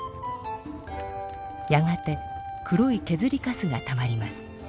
やがて黒いけずりカスがたまります。